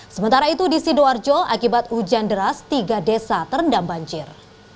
sementara itu di sidoarjo akibat hujan deras tiga desa terendam banjir